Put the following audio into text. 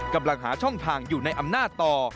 กำลังหาช่องทางอยู่ในอำนาจต่อ